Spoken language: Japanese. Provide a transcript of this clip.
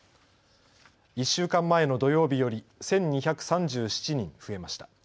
１週間前の土曜日より１２３７人増えました。